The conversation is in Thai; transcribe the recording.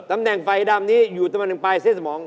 ตำแหน่งไฟดำนี้อยู่ตำแหน่งปลายเส้นสมอง